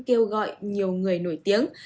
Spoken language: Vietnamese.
kêu gọi nhiều người nổi tiếng